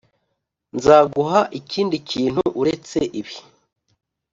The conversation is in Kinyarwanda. nzaguha ikindi kintu uretse ibi.